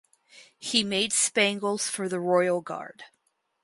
He made spangles for the royal guard.